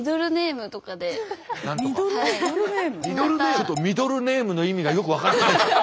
ちょっとミドルネームの意味がよく分からないです。